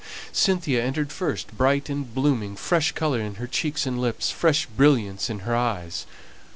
Cynthia entered first, bright and blooming, fresh colour in her cheeks and lips, fresh brilliance in her eyes.